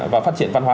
và phát triển văn hóa